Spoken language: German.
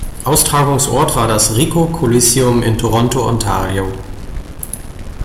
Austragungsort war das Ricoh Coliseum in Toronto, Ontario.